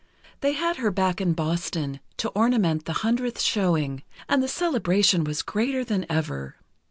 They had her back in Boston, to ornament the hundredth showing, and the celebration was greater than ever.